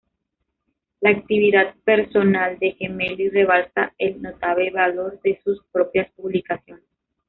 La actividad personal de Gemelli rebasa el notable valor de sus propias publicaciones.